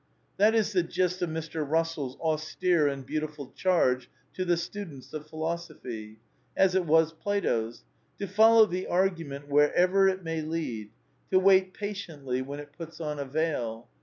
'* That is the gist of Mr. Eussell's austere and beautiful charge to the students of Philosophy; as it was Plato's; to "foUow the Argument wherever it may lead"; to wait patiently when it " puts on a veil."